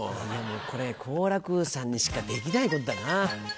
でもこれ好楽さんにしかできないことだな。